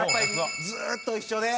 ずっと一緒で。